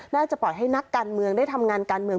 จะปล่อยให้นักการเมืองได้ทำงานการเมือง